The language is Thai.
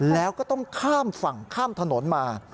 แล้วก็ต้องข้ามฝั่งข้ามถนนมา